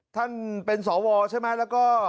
ท่านเป็นสวใช่ไหมแล้วก็